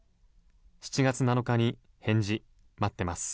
７月７日に返事待ってます。